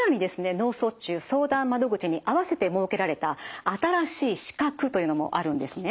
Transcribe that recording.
脳卒中相談窓口に併せて設けられた新しい資格というのもあるんですね。